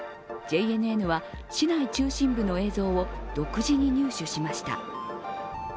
ＪＮＮは市内中心部の映像を独自に入手しました。